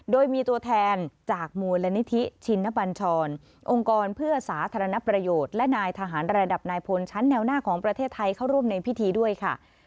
โดยมีตัวแทนจากมูลนิธิชินบัญชรองค์กรเพื่อสาธารณประโยชน์และนายทหารระดับนายพลชั้นแนวหน้าของประเทศไทยเข้าร่วมในพิธีด้วยค่ะ